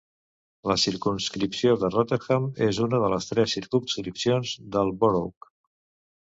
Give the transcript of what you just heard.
La circumscripció de Rotherham és una de les tres circumscripcions del "borough".